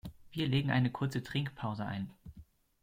Wir legen eine kurze Trinkpause ein.